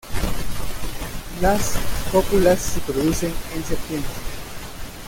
Las cópulas se producen en septiembre.